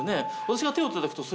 私が手をたたくと。